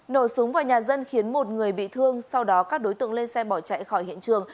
nổ súng vào nhà dân khiến một người bị thương sau đó các đối tượng lên xe bỏ chạy khỏi hiện trường